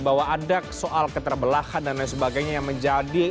bahwa ada soal keterbelahan dan lain sebagainya yang menjadi